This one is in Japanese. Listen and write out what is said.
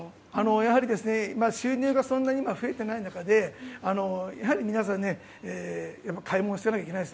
やはり、収入がそんなに今増えていない中でやはり皆さん買い物はしなきゃいけない。